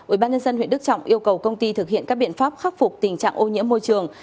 ubnd huyện đức trọng yêu cầu công ty thực hiện các biện pháp khắc phục tình trạng ô nhiễm môi trường